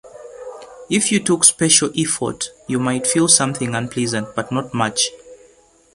If you took special effort you might feel something unpleasant but not much.